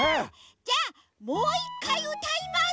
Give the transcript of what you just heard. じゃあもう１かいうたいます。